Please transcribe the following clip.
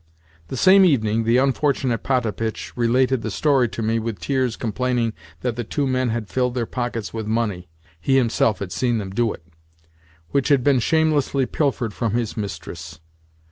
The same evening the unfortunate Potapitch related the story to me with tears complaining that the two men had filled their pockets with money (he himself had seen them do it) which had been shamelessly pilfered from his mistress.